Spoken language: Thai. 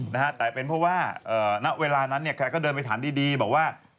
แต่เป็นเพราะว่าเวลานั้นแกก็เดินไปถามดีบอกว่า